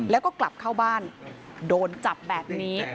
แล้วก็กลับเข้าบ้านโดนจับแบบนี้